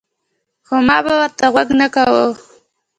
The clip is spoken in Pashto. خو ما به ورته غږ نۀ کوۀ ـ